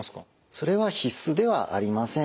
それは必須ではありません。